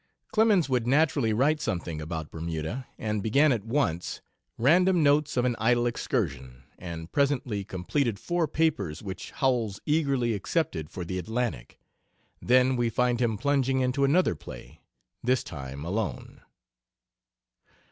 Clemens would naturally write something about Bermuda, and began at once, "Random Notes of an Idle Excursion," and presently completed four papers, which Howells eagerly accepted for the Atlantic. Then we find him plunging into another play, this time alone.